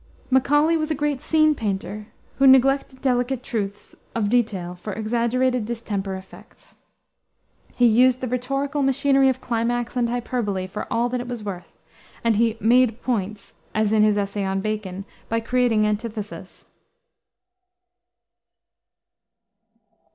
Macaulay was a great scene painter, who neglected delicate truths of detail for exaggerated distemper effects. He used the rhetorical machinery of climax and hyperbole for all that it was worth, and he "made points" as in his essay on Bacon by creating antithesis.